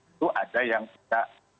itu ada yang kita